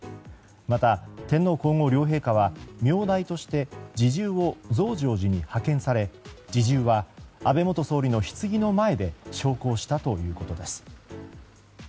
また、天皇・皇后両陛下は名代として侍従を増上寺に派遣され侍従は安倍元総理のひつぎの前で焼香したということです。